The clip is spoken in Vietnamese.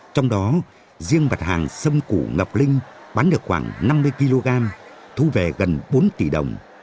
trong đó riêng mặt hàng xâm củ ngọc linh bán được khoảng năm mươi kg thu về gần bốn tỷ đồng